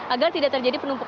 agar tidak terjadi penumpukan